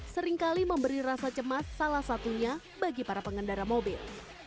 seringkali memberi rasa cemas salah satunya bagi para pengendara mobil